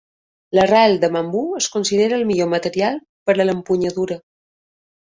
L'arrel de bambú es considera el millor material per a l'empunyadura.